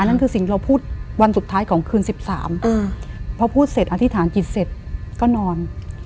นั่นคือสิ่งเราพูดวันสุดท้ายของคืน๑๓พอพูดเสร็จอธิษฐานกิจเสร็จก็นอน